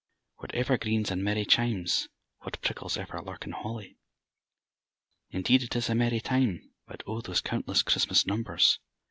_) What evergreens and merry chimes! (What prickles ever lurk in holly!) Indeed it is a merry time; (_But O! those countless Christmas numbers!